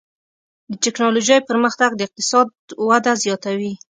د ټکنالوجۍ پرمختګ د اقتصاد وده زیاتوي.